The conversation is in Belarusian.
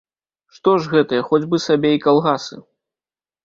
Што ж гэтыя, хоць бы сабе і калгасы.